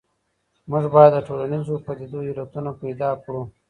موږ بايد د ټولنيزو پديدو علتونه پيدا کړو.